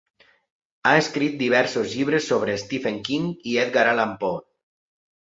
Ha escrit diversos llibres sobre Stephen King i Edgar Allan Poe.